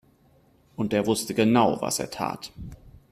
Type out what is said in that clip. Und er wusste genau, was er tat.